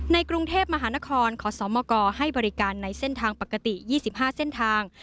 ในกรุงเทพมหานครขอสมกให้บริการในเส้นทางปกติ๒๕เส้นทาง